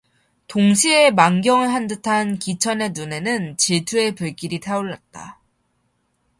동시에 만경을 한 듯한 기천의 눈에는 질투의 불길이 타올랐다.